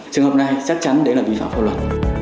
trường hợp này chắc chắn đấy là vi phạm pháp luật